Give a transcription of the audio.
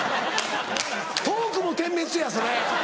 トークも点滅やそれ！